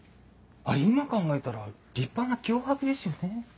あれ今考えたら立派な脅迫ですよね？